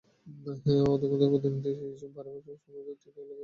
অধিকন্তু প্রতিনিধি-সংখ্যা বাড়াইবার সময়ও উত্তীর্ণ, তালিকা পূর্বেই পূর্ণ হইয়া গিয়াছে।